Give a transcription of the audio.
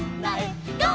ゴー！」